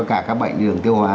các bệnh đường tiêu hóa